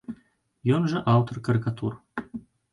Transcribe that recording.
Ён жа аўтар карыкатур.